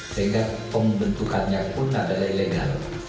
sehingga pembentukannya pun ada lelegan